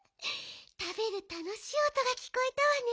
たべるたのしいおとがきこえたわね。